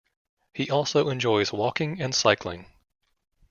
He also enjoys walking and cycling.